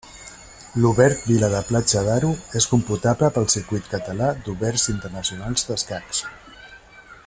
L'Obert Vila de Platja d'Aro és computable pel Circuit Català d'Oberts Internacionals d'Escacs.